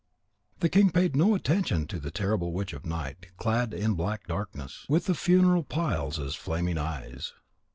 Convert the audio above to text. _ The king paid no attention to the terrible witch of night, clad in black darkness, with the funeral piles as flaming eyes.